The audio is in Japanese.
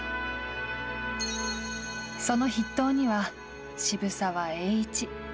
その筆頭には渋沢栄一。